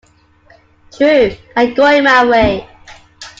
True", and "Going My Way".